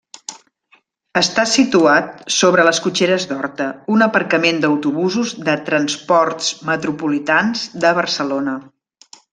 Està situat sobre les Cotxeres d'Horta, un aparcament d'autobusos de Transports Metropolitans de Barcelona.